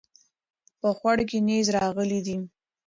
په خوړ کې نيز راغلی دی